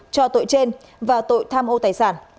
cho tội trên và tội tham ô tài sản